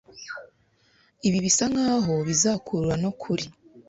Ibi bisa nkaho bizakurura no kuri.